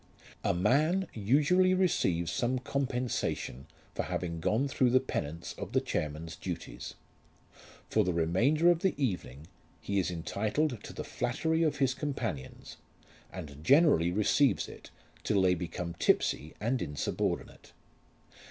A man usually receives some compensation for having gone through the penance of the chairman's duties. For the remainder of the evening he is entitled to the flattery of his companions, and generally receives it till they become tipsy and insubordinate.